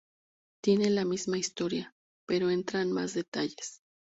Tiene la misma historia, pero entra en más detalles.